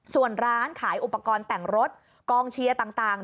ส่วนร้านขายอุปกรณ์แต่งรถกองเชียร์ต่าง